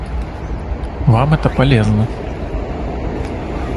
Вам это полезно.